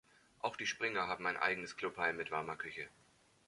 Auch die Springer haben ein eigenes Clubheim mit warmer Küche.